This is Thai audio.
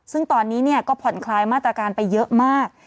ซึ่งตอนนี้ก็ผ่อนคลายมาตรการไปเยอะมาก